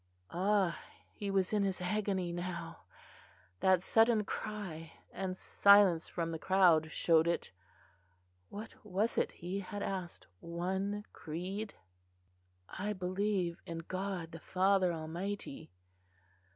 Ah! he was in his agony now! that sudden cry and silence from the crowd showed it. What was it he had asked? one creed? "I believe in God the Father Almighty."